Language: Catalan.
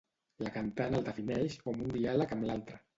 La cantant el defineix com un diàleg amb l'altre.